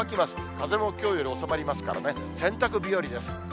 風もきょうより収まりますからね、洗濯日和です。